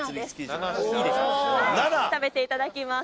食べていただきます。